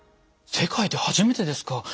世界で初めてですか。